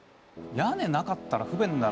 屋根なかったら不便だな。